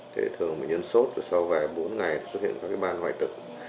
thường bệnh nhân sốt và sau vài bốn ngày xuất hiện các ban hoại tực